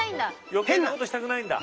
余計なことしたくないんだ。